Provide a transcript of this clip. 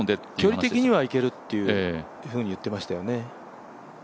距離的にはいけるというふうに言っていましたよね。